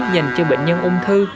dành cho bệnh nhân ung thư